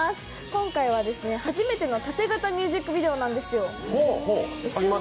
今回は初めての縦型ミュージックビデオなんですよ。